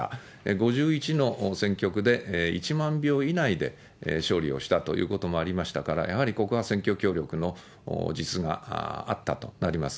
５１の選挙区で１万票以内で勝利をしたということもありましたから、やはりここは選挙協力の実があったとなります。